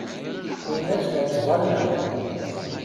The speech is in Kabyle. Ini-as la ttẓallaɣ.